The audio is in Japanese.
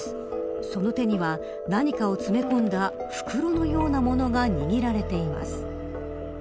その手には、何かを詰め込んだ袋のようなものが握られています。